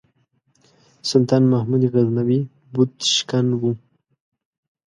سلطان محمود غزنوي بُت شکن و.